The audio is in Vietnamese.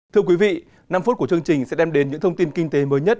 thưa quý vị năm phút của chương trình sẽ đem đến những thông tin kinh tế mới nhất